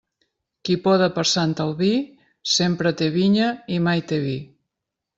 Qui poda per Sant Albí, sempre té vinya i mai té vi.